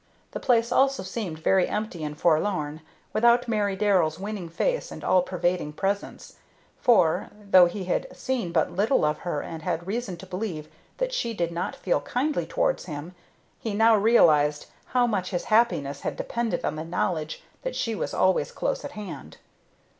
The place also seemed very empty and forlorn without Mary Darrell's winning face and all pervading presence; for, though he had seen but little of her and had reason to believe that she did not feel kindly towards him, he now realized how much his happiness had depended on the knowledge that she was always close at hand.